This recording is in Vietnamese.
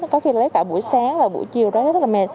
có khi lấy cả buổi sáng và buổi chiều đó rất là mệt